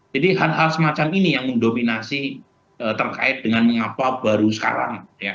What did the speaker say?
jadi hal hal semacam ini yang mendominasi terkait dengan mengapa baru sekarang